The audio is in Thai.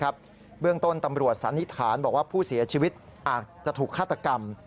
เบื้องต้นตำรวจสันนิษฐานบอกว่าผู้เสียชีวิตอาจจะถูกฆาตกรรม